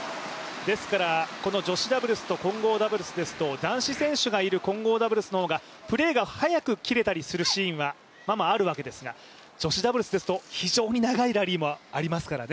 女子ダブルスと混合ダブルスですと男子選手がいる混合ダブルスの方がプレーが早く切れたりするシーンはままあるわけですが女子ダブルスですと非常に長いラリーもありますからね。